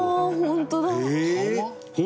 本当だ！